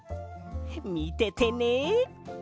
みててね！